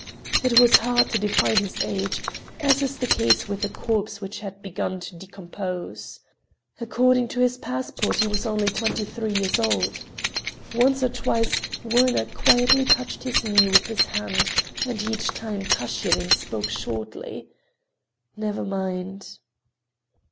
It was hard to define his age, as is the case with a corpse which has begun to decompose. According to his passport, he was only twenty three years old. Once or twice Werner quietly touched his knee with his hand, and each time Kashirin spoke shortly: "Never mind!"